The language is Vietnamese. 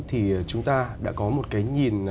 thì chúng ta đã có một cái nhìn